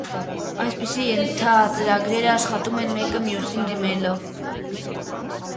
Այդպիսի ենթածրագրերը աշխատում են մեկը մյուսին դիմելով։